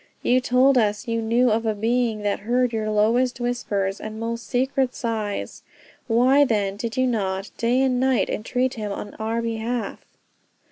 You told us you knew of a Being that heard your lowest whispers, and most secret sighs why then, did you not, day and night, entreat him in our behalf?"